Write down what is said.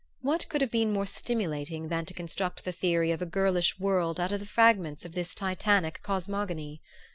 What could have been more stimulating than to construct the theory of a girlish world out of the fragments of this Titanic cosmogony?